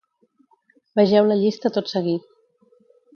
Vegeu la llista tot seguit.